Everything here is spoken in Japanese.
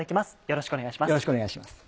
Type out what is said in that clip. よろしくお願いします。